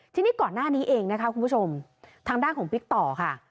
ทีนี้ก่อนหน้านี้เองนะคะคุณผู้ชมทางด้านของบิ๊กต่อค่ะ